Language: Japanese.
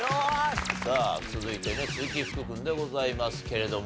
さあ続いてね鈴木福君でございますけれども。